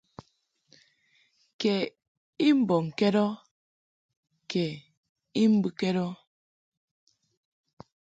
Kɛ i mbɔŋkɛd ɔ kɛ I mbɨkɛd ɔ.